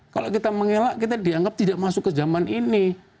kalau kita mengelak kita dianggap tidak masuk ke zaman ini